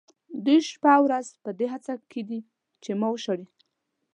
دوی شپه او ورځ په دې هڅه کې دي چې ما وشړي.